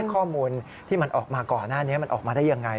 ข้อมูลที่มันออกมาก่อนหน้านี้มันออกมาได้ยังไง